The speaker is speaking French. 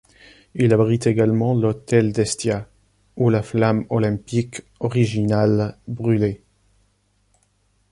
Il abrite également l'autel d'Hestia, où la flamme olympique originale brûlait.